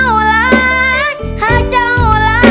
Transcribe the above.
โอ้โห